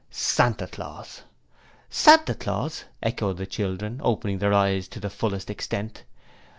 'Santa Claus.' 'Santa Claus!' echoed the children, opening their eyes to the fullest extent.